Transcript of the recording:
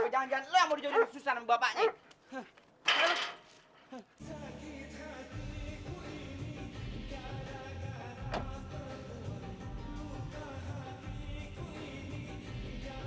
gue gak takut sama lo